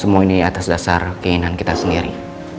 semua ini atas dasar keinginan kita sendiri